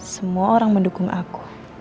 semua orang mendukung aku